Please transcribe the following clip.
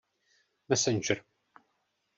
Messenger.